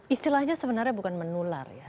istilahnya sebenarnya bukan menular ya